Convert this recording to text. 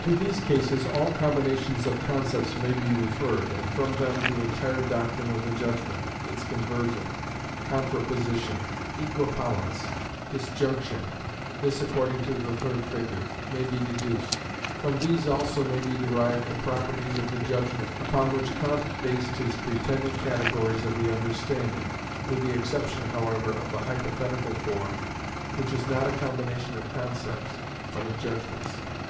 To these cases all combinations of concepts may be referred, and from them the entire doctrine of the judgment, its conversion, contraposition, equipollence, disjunction (this according to the third figure) may be deduced. From these also may be derived the properties of the judgment, upon which Kant based his pretended categories of the understanding, with the exception however of the hypothetical form, which is not a combination of concepts, but of judgments.